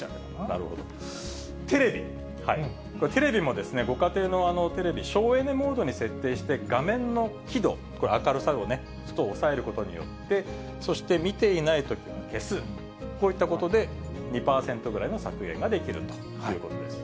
テレビ、これ、テレビもご家庭のテレビ、省エネモードに設定して、画面の輝度、明るさ度をちょっと抑えることによって、そして見ていないときは消す、こういったことで２％ぐらいの削減ができるということです。